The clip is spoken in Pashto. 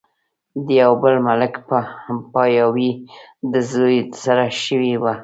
د يو بل ملک پاياوي د زوي سره شوې وه